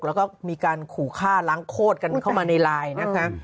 แล้วก็มีการขู่ฆ่าล้างโคตรกันเข้ามาในไลน์นะคะ